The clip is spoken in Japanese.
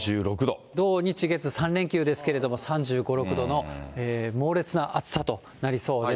土日月、３連休ですけれども、３５、６度の猛烈な暑さとなりそうです。